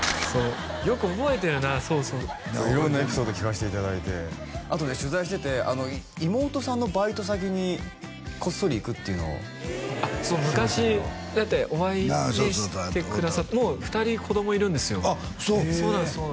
よく覚えてるなそうそう色んなエピソード聞かせていただいて取材してて妹さんのバイト先にこっそり行くっていうのをそう昔お会いしてくださってそうそうそう会うたもう